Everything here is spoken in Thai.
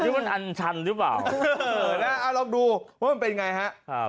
เผื่อแล้วอ่าลองดูว่ามันเป็นไงฮะ